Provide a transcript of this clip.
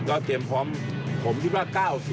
ก็เตรียมพร้อมผมคิดว่า๙๐